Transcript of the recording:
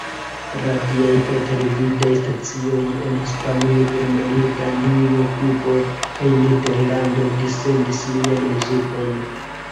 Radiaj kaj televidaj stacioj en Hispanujo, Germanujo, Danujo, Kubo kaj Nederlando dissendis lian muzikon.